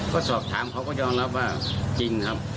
ก็สอบถามเขาก็ยอมรับว่าจริงครับ